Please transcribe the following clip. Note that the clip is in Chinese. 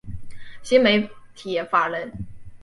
新媒体法人